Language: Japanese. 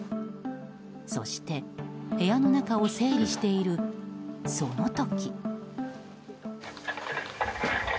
そして、部屋の中を整理しているその時。